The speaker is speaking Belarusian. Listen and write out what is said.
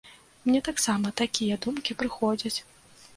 Мне таксама такія думкі прыходзяць.